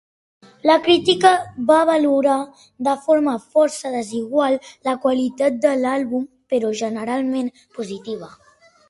La crítica va valorar de forma força desigual la qualitat de l'àlbum però generalment positiva.